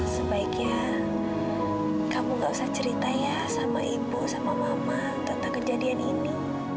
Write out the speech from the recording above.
sebaiknya kamu gak usah cerita ya sama ibu sama mama tentang kejadian ini